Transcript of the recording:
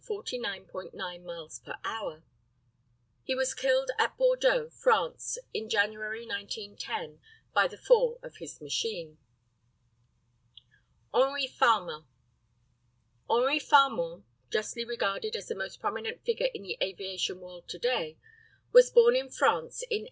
9 miles per hour. He was killed at Bordeaux, France, in January, 1910, by the fall of his machine. HENRI FARMAN. HENRI FARMAN, justly regarded as the most prominent figure in the aviation world today, was born in France in 1873.